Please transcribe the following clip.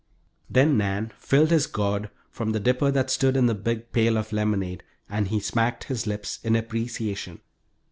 Then Nan filled his gourd from the dipper that stood in the big pail of lemonade, and he smacked his lips in appreciation.